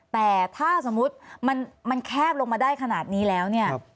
แต่ถ้าสมมุติมันแคบลงมาได้ขนาดนี้แล้วเนี่ย